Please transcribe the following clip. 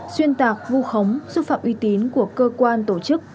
xuyên tạc vu khống xúc phạm uy tín của cơ quan tổ chức